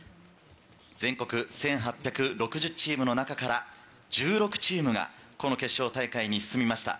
全国１８６０チームの中から１６チームがこの決勝大会に進みました。